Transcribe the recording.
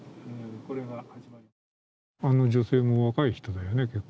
あの女性も若い人だよね、結構。